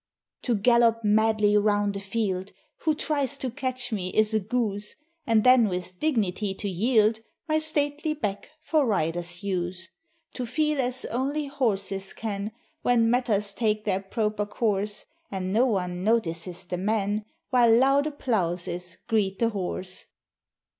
To gallop madly round a field, Who tries to catch me is a goose, And then with dignity to yield My stately back for rider's use; To feel as only horses can, When matters take their proper course, And no one notices the man, While loud applauses greet the horse!